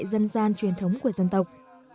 dân gian truyền thống của dân tộc